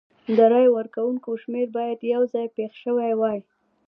د رای ورکوونکو شمېر باید یو ځای پېښ شوي وای.